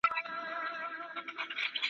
ما د زمانې د خُم له رنګه څخه وساته ,